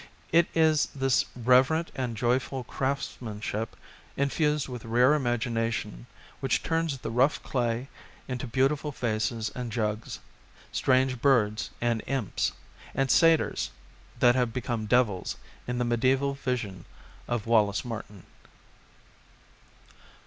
It is this reverent and joyful craftsmanship infused with rare imagination which turns the rough claj^ into beautiful vases and jugs, strange birds and imps, and satyrs that have become devils in the mediaeval vision of Wallace Martin.